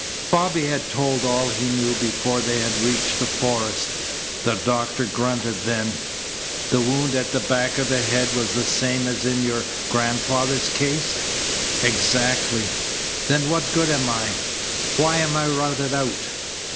Bobby had told all he knew before they had reached the forest. The doctor grunted then: "The wound at the back of the head was the same as in your grandfather's case?" "Exactly." "Then what good am I? Why am I routed out?"